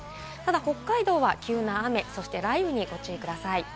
北海道は急な雨、そして雷雨にご注意ください。